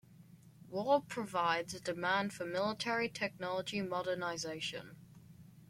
War provides demand for military technology modernization.